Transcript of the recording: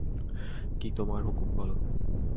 কী তোমার হুকুম, বলো।